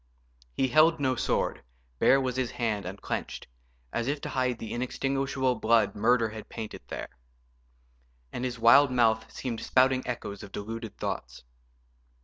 He held no sword, bare was his hand and clenched, As if to hide the inextinguishable blood Murder had painted there. And his wild mouth Seemed spouting echoes of deluded thoughts.